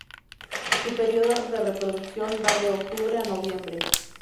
Su período de reproducción va de octubre a noviembre.